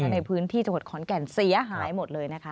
ในพื้นที่จังหวัดขอนแก่นเสียหายหมดเลยนะคะ